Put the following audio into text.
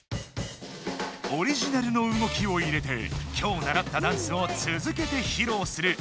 オリジナルの動きを入れて今日ならったダンスをつづけてひろうする！